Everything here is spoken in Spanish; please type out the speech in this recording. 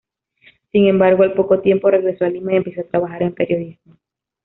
Sin embargo, al poco tiempo regresó a Lima y empezó a trabajar en periodismo.